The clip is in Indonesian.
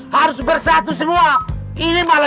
harus bersatu semua